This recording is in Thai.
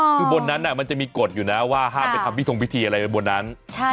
คือบนนั้นมันจะมีกฎอยู่นะว่าห้ามไปทำพิธงพิธีอะไรไปบนนั้น